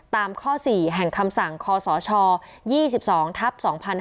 ตามข้อ๔แห่งคำสั่งคศ๒๒ทับ๒๕๕๙